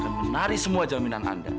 dan menarik semua jaminan anda